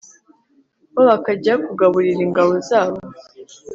bo bakajya kugaburira ingabo zabo